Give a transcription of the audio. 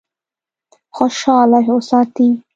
خوشاله وساتي.